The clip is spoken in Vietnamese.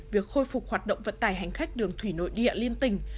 việc khôi phục hoạt động vận tải hành khách đường thủy nội địa liên tỉnh